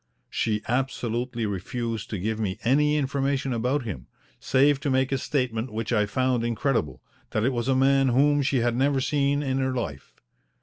She absolutely refused to give me any information about him, save to make a statement which I found incredible, that it was a man whom she had never seen in her life.